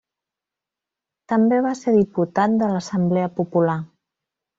També va ser diputat de l'Assemblea Popular.